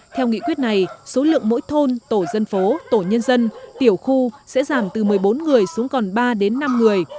theo nghị quyết này số lượng mỗi thôn tổ dân phố tổ nhân dân tiểu khu sẽ giảm từ một mươi bốn người xuống còn ba đến năm người